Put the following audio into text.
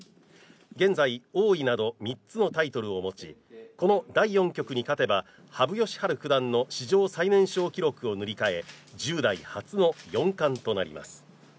現在、王位など３つのタイトルを持ちこの第４局に勝てば羽生善治九段の史上最年少記録を塗り替え１０代初の四冠となります。